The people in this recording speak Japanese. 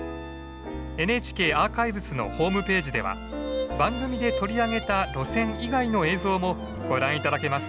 ＮＨＫアーカイブスのホームページでは番組で取り上げた路線以外の映像もご覧頂けます。